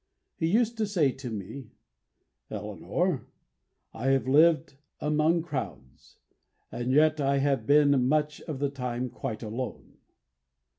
He used to say to me: "Eleanor, I have lived among crowds, and yet I have been much of the time quite alone."